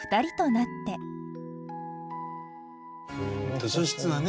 図書室はね